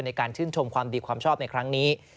ในการชื่นชมความดีความชอบในครั้งนี้